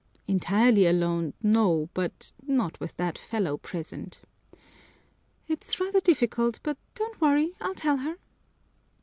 "Entirely alone, no, but not with that fellow present." "It's rather difficult, but don't worry, I'll tell her."